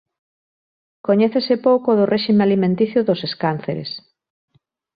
Coñécese pouco do réxime alimenticio dos escánceres.